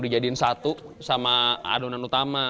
dijadiin satu sama adonan utama